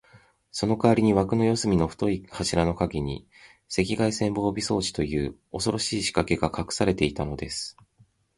そのかわりに、わくの四すみの太い柱のかげに、赤外線防備装置という、おそろしいしかけがかくされていたのです。